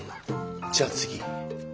じゃあ次。